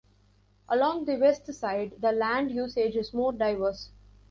Along the west side, the land usage is more diverse.